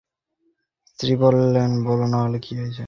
স্ত্রী বললেন, বলো না তাহলে হয়েছে কী?